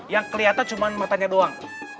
yang kelihatan cuma matanya doang